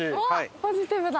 ポジティブだ。